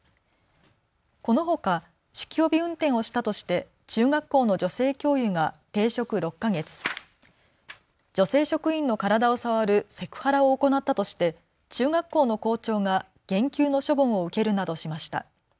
このほか酒気帯び運転をしたとして中学校の女性教諭が停職６か月、女性職員の体を触るセクハラを行ったとして中学校の校長が減給の処分を受けるなどしました。